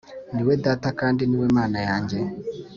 Ni we Data kandi ni we Mana yanjye